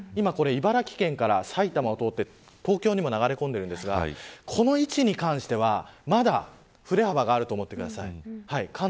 茨城県から埼玉を通って東京にまで流れ込んでいるんですがこの位置に関してはまだ振れ幅があると思ってください。